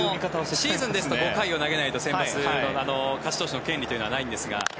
シーズンですと５回を投げないと先発の勝ち投手の権利はないんですが。